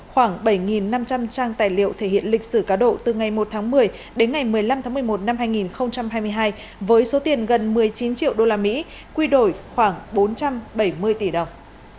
khoảng bảy năm trăm linh trang tài liệu thể hiện lịch sử cá độ từ ngày một tháng một mươi đến ngày một mươi năm tháng một mươi một năm hai nghìn hai mươi hai với số tiền gần một mươi chín triệu usd quy đổi khoảng bốn trăm bảy mươi tỷ đồng